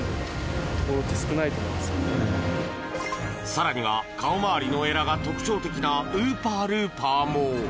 更には顔周りのえらが特徴的なウーパールーパーも。